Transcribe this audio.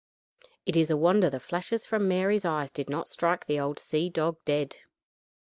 It is a wonder the flashes from Mary's eyes did not strike the old sea dog dead.